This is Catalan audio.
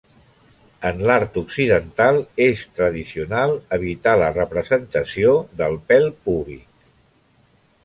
En l'art occidental és tradicional evitar la representació del pèl púbic.